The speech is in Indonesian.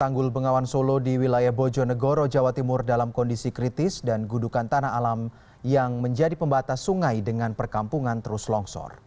tanggul bengawan solo di wilayah bojonegoro jawa timur dalam kondisi kritis dan gudukan tanah alam yang menjadi pembatas sungai dengan perkampungan terus longsor